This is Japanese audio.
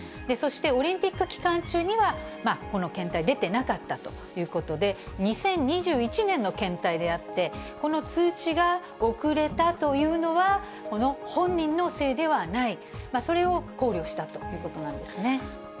そして、オリンピック期間中には、この検体出てなかったということで、２０２１年の検体であって、この通知が遅れたというのは、この本人のせいではない、それを考慮したということなんですね。